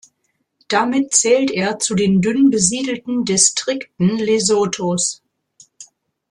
Damit zählt er zu den dünn besiedelten Distrikten Lesothos.